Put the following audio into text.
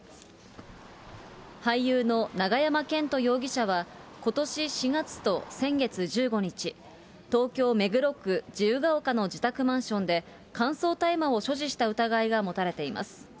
俳優の永山絢斗容疑者は、ことし４月と先月１５日、東京・目黒区自由が丘の自宅マンションで乾燥大麻を所持した疑いが持たれています。